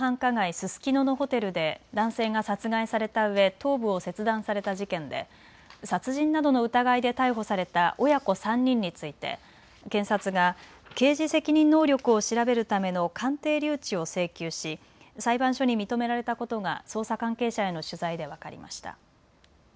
ススキノのホテルで男性が殺害されたうえ頭部を切断された事件で殺人などの疑いで逮捕された親子３人について検察が刑事責任能力を調べるための鑑定留置を請求し裁判所に認められたことが捜査関係者への取材で分かりました。